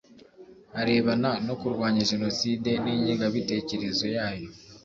arebana no kurwanya jenoside n'ingengabitekerezo yayo